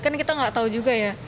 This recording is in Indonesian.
kan kita nggak tahu juga ya